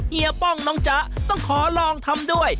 เฮีป้องน้องจ๊ะต้องขอลองทำด้วย